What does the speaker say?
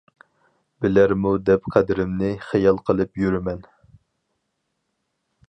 بىلەرمۇ دەپ قەدرىمنى، خىيال قىلىپ يۈرىمەن.